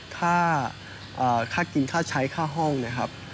ค่ากินค่าใช้ค่าห้องนะครับ